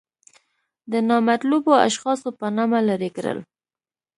د نامطلوبو اشخاصو په نامه لرې کړل.